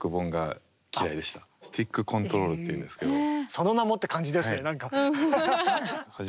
「その名も」って感じですねなんか。